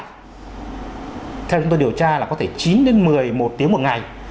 theo chúng tôi điều tra là có thể chín đến một mươi một tiếng một ngày